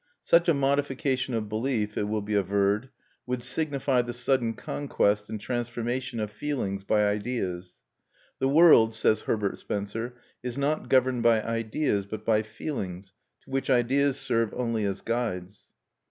Such a modification of belief, it will be averred, would signify the sudden conquest and transformation of feelings by ideas. "The world," says Herbert Spencer, "is not governed by ideas, but by feelings, to which ideas serve only as guides."